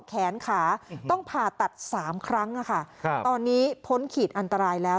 แขนขาต้องผ่าตัด๓ครั้งตอนนี้พ้นขีดอันตรายแล้ว